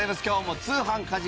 今日も通販☆